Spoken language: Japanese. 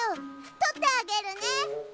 とってあげるね。